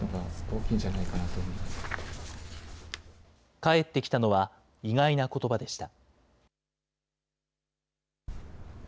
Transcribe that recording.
返ってきたのは、意外なことばでした。